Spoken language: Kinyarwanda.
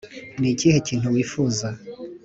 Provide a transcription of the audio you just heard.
Ni ikihe kintu wifuza